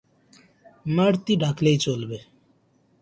মার্তি ডাকলেই চলবে।